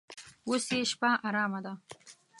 اوس یې شپه ارامه ده.